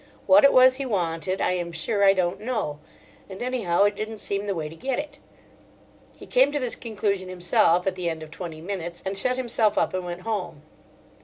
What it was he wanted I am sure I don't know; and anyhow it didn't seem the way to get it. He came to this conclusion himself at the end of twenty minutes, and shut himself up and went home.